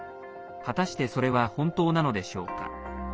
果たしてそれは本当なのでしょうか。